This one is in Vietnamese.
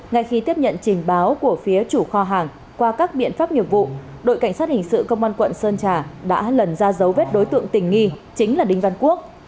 ngay khi tiếp nhận trình báo của phía chủ kho hàng qua các biện pháp nghiệp vụ đội cảnh sát hình sự công an quận sơn trà đã lần ra dấu vết đối tượng tình nghi chính là đinh văn quốc